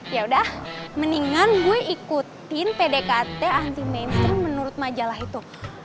ya udah mendingan gue ikutin pdkt anti mainstream menurut majalah itu